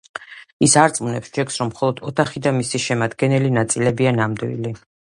ის არწმუნებს ჯეკს რომ მხოლოდ ოთახი და მისი შემადგენელი ნაწილებია ნამდვილი.